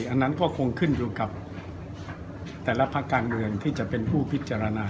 อันนั้นก็คงขึ้นดูกับแต่ละพักกลางเมืองที่จะเป็นผู้พิจารณานะครับ